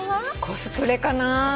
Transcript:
「コスプレ」かな。